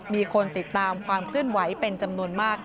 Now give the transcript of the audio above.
มีคนติดตามความเคลื่อนไหวเป็นจำนวนมาก